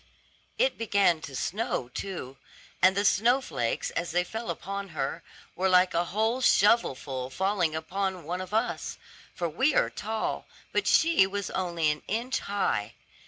It began to snow too; and the snow flakes, as they fell upon her, were like a whole shovelful falling upon one of us, for we are tall, but she was only an inch high.